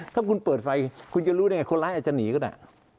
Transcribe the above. ถ้าคุณเปิดไฟคุณจะรู้ได้ไงคนร้ายอาจจะหนีก็ได้